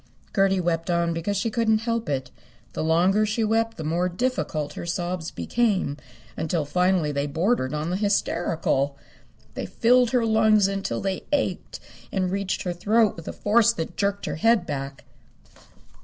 Gertie wept on because she couldn't help it. The longer she wept the more difficult her sobs became, until finally they bordered on the hysterical. They filled her lungs until they ached and reached her throat with a force that jerked her head back.